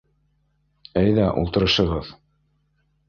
Әйҙә, ултырышығыҙ.